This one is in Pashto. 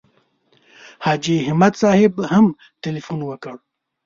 حاجي همت صاحب هم تیلفون وکړ.